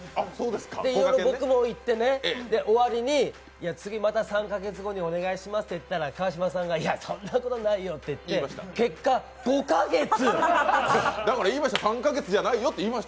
いろいろ僕も言って、終わりに、次また３か月後にお願いしますって言ったら川島さんがいや、そんなことないよって言ってだから言いました、３か月じゃないよって言いました。